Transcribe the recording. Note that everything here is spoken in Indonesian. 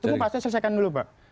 tunggu pak saya selesaikan dulu pak